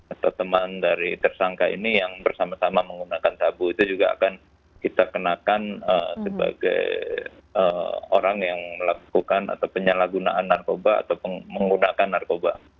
atau teman dari tersangka ini yang bersama sama menggunakan sabu itu juga akan kita kenakan sebagai orang yang melakukan atau penyalahgunaan narkoba atau menggunakan narkoba